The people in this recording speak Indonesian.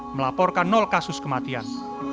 melaporkan nol kasus kematian